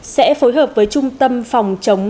sẽ phối hợp với trung tâm phòng trọng